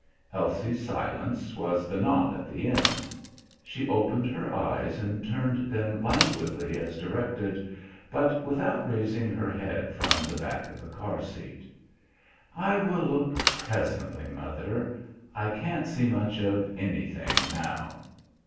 Elsie's silence was the knot at the end. She opened her eyes and turned them languidly as directed, but without raising her head from the back of the car seat. "I will look presently, mother. I can't see much of anything now."